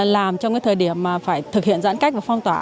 làm trong cái thời điểm mà phải thực hiện giãn cách và phong tỏa